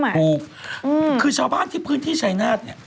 ถูกคือชาวบ้านที่พื้นที่ชายนาฏเนี่ย